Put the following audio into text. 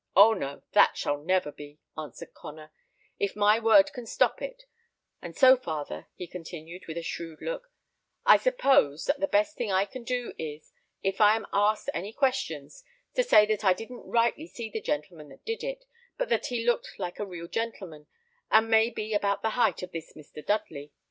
"Oh, no! that shall never be," answered Connor, "if my word can stop it; and so, father," he continued, with a shrewd look, "I suppose that the best thing I can do is, if I am asked any questions, to say that I didn't rightly see the gentleman that did it; but that he looked like a real gentleman, and may be about the height of this Mr. Dudley.